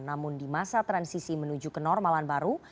namun di masa transisi menuju kenormalan baru